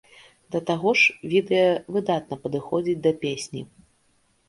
Да таго ж відэа выдатна падыходзіць да песні.